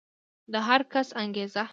د هر کس انګېزه